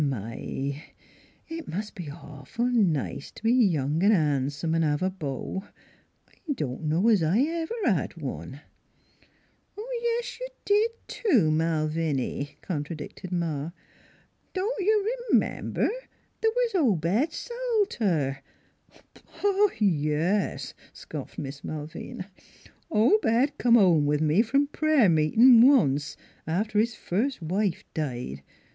" My ! it must be awful nice t' be young an' han'some an' have a beau. .... I don' know 's I ever had one." 290 NEIGHBORS " Yes, you did, too, Malviny," contradicted Ma. " Don't you r'member th' was Obed Salter "" Yes," scoffed Miss Malvina, " Obed come home with me from prayer meetin' once, after his first wife died.